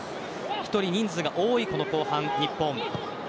１人、人数が多いこの後半、日本。